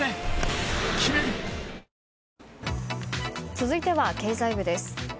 続いては経済部です。